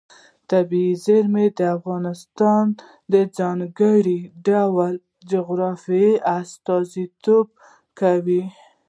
طبیعي زیرمې د افغانستان د ځانګړي ډول جغرافیه استازیتوب کوي.